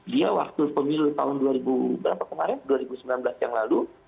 dia waktu pemilu tahun dua ribu sembilan belas yang lalu